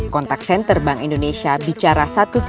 kontak center bank indonesia bicara satu ratus tiga puluh satu